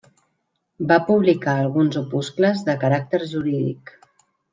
Va publicar alguns opuscles de caràcter jurídic.